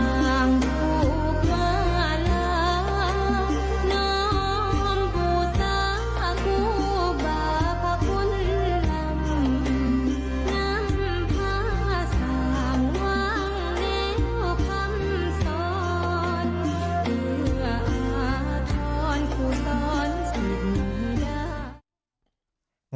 นางรำนางภาษาหวังเล่าคำสอนเผื่ออาจรรคุสรรสิน